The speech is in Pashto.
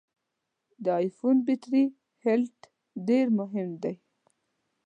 د ای فون بټري هلټ ډېر مهم دی.